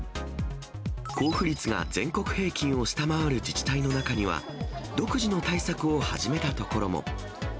交付率が全国平均を下回る自治体の中には、独自の対策を始めた所も。